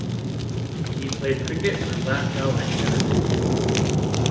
He played cricket for Glasgow Academicals.